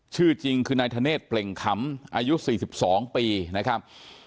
ชื่อจริงคือนายธเนธเปล่งคำอายุสี่สิบสองปีนะครับ